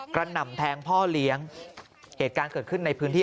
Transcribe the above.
หน่ำแทงพ่อเลี้ยงเหตุการณ์เกิดขึ้นในพื้นที่